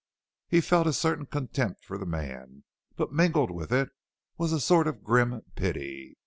He felt a certain contempt for the man, but mingled with it was a sort of grim pity.